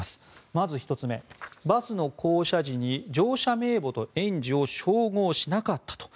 まず１つ目、バスの降車時に乗車名簿と園児を照合しなかったと。